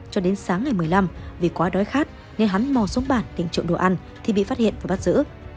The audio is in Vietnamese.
cho đến sáng ngày một mươi năm vì quá đói khát nên hắn mò xuống bàn tỉnh trộm đồ ăn thì bị phát hiện và bắt giữ